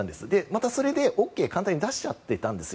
また、それでＯＫを簡単に出していたんです。